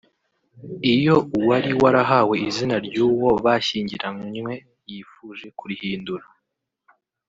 Iyo uwari warahawe izina ry’uwo bashyingiranywe yifuje kurihindura